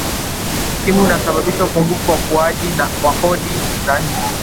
ukimwi unasababisha upungufu wa ukuaji wa kodi za nchi